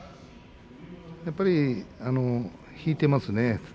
やっぱり引いていますね。